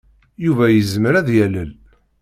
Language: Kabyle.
Yuba yezmer ad yalel.